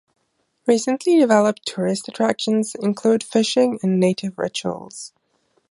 Recently developed tourist attractions include fishing and native rituals.